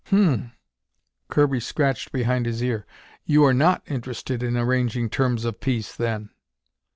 "Hum." Kirby scratched behind his ear. "You are not interested in arranging terms of peace, then."